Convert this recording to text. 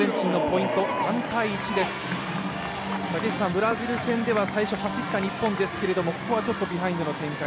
ブラジル戦では最初走った日本でしたけど、ここはビハインドの展開。